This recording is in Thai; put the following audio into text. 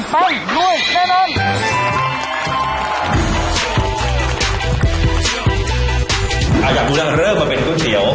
เขาอยากรู้เรื่องเรื่องไปเป็นก๋วยเตี๋ยว